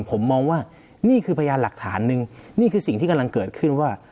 ผมมองว่านี่คือพยานหลักฐานหนึ่งนี่คือสิ่งที่กำลังเกิดขึ้นว่า